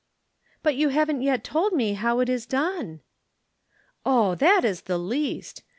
"But you haven't yet told me how it is done?" "Oh, that is the least.